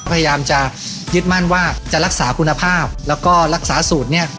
พยายามจะยึดมั่นว่าจะรักษาคุณภาพแล้วก็รักษาสูตรเนี่ย